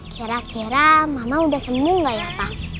kira kira mama udah sembuh gak ya pa